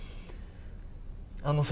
あのさ。